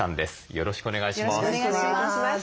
よろしくお願いします。